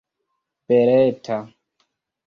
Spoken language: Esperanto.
beleta